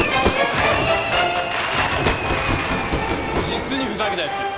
実にふざけた奴です。